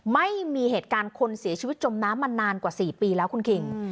ไม่มีเหตุการณ์คนเสียชีวิตจมน้ำมานานกว่า๔ปีแล้วคุณคิง